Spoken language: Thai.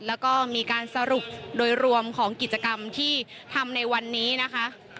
แล้วก็มีการสรุปโดยรวมของกิจกรรมที่ทำในวันนี้นะคะ